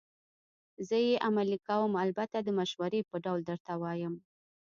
زه یې عملي کوم، البته د مشورې په ډول درته وایم.